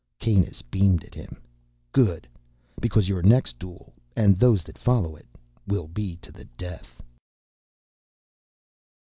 Kanus beamed at him. "Good! Because your next duel—and those that follow it—will be to the death."